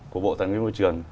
của bộ tàng nguyên môi trường